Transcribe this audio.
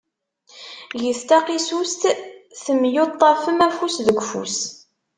Get taqisust temyuṭṭafem afus deg ufus.